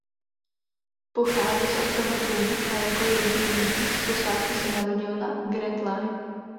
Pochází z ostrova Drum a jako jediný z posádky se narodil na Grand Line.